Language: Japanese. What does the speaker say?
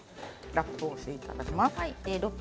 ラップをしていただきます。